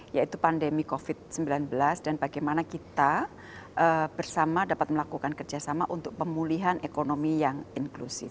yaitu pandemi covid sembilan belas dan bagaimana kita bersama dapat melakukan kerjasama untuk pemulihan ekonomi yang inklusif